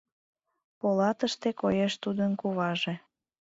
Полатыште коеш тудын куваже